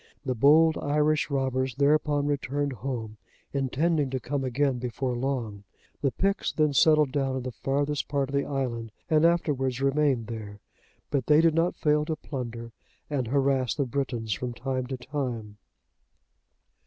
The bold Irish robbers thereupon returned home, intending to come again before long. The Picts then settled down in the farthest part of the island and afterwards remained there, but they did not fail to plunder and harass the Britons from time to time.